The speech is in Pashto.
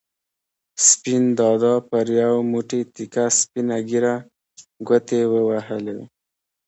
سپین دادا پر یو موټی تکه سپینه ږېره ګوتې ووهلې.